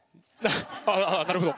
あっああなるほど。